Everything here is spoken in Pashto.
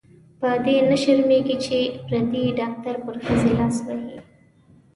په دې نه شرمېږې چې پردې ډاکټر پر ښځې لاس وهي.